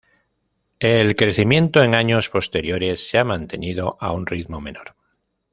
El crecimiento en años posteriores se ha mantenido a un ritmo menor.